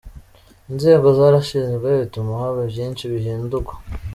Inzego zarashinzwe, bituma haba vyinshi bihindugwa.